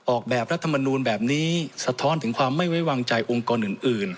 ออกแบบรัฐมนูลแบบนี้สะท้อนถึงความไม่ไว้วางใจองค์กรอื่น